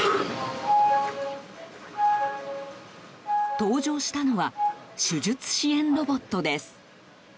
登場したのは手術支援ロボットです。